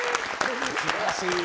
すばらしい。